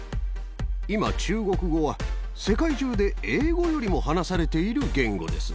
今、中国語は世界中で英語よりも話されている言語です。